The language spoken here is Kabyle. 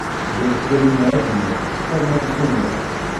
Gar tlawin-a ad naf: Faḍma n Summer.